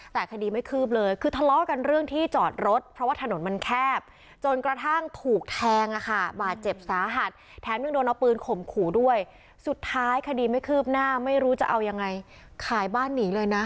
แต่คดีไม่คืบเลยคือทะเลาะกันเรื่องที่จอดรถเพราะว่าถนนมันแคบจนกระทั่งถูกแทงอะค่ะบาดเจ็บสาหัสแถมยังโดนเอาปืนข่มขู่ด้วยสุดท้ายคดีไม่คืบหน้าไม่รู้จะเอายังไงขายบ้านหนีเลยนะ